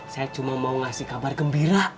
saya cuma mau ngasih kabar gembira